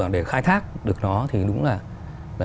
để khai thác được nó thì đúng là